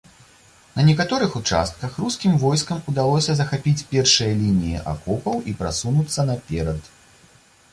На некаторых участках рускім войскам удалося захапіць першыя лініі акопаў і прасунуцца наперад.